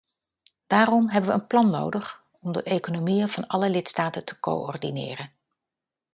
Daarom hebben we een plan nodig om de economieën van alle lidstaten te coördineren.